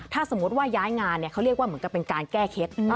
ถ้าสมมุติว่าย้ายงานเขาเรียกว่าเหมือนกับเป็นการแก้เคล็ด